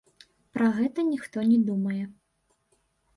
Пра гэта ніхто не думае.